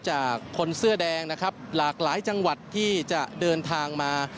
คนเสื้อแดงนะครับหลากหลายจังหวัดที่จะเดินทางมา